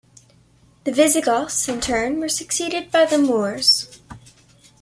The Visigoths, in turn, were succeeded by the Moors.